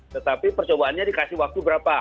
tetapi percobaannya dikasih waktu berapa